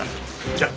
じゃあ。